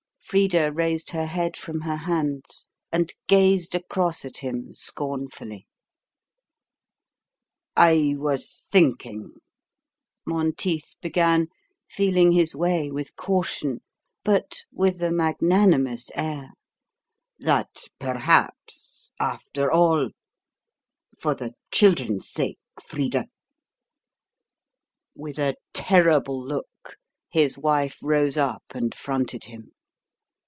Frida raised her head from her hands and gazed across at him scornfully. "I was thinking," Monteith began, feeling his way with caution, but with a magnanimous air, "that perhaps after all for the children's sake, Frida " With a terrible look, his wife rose up and fronted him.